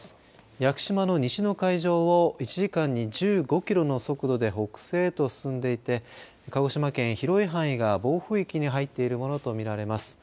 屋久島の西の海上を１時間に１５キロの速度で北西へと進んでいて鹿児島県、広い範囲が暴風域に入っているものと見られます。